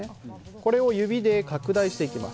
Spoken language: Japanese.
これを指で拡大していきます。